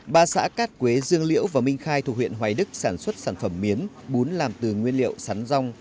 ba xã cát quế dương liễu và minh khai thuộc huyện hoài đức sản xuất sản phẩm miến bún làm từ nguyên liệu sắn rong